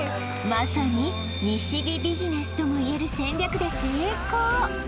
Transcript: まさに西日ビジネスともいえる戦略で成功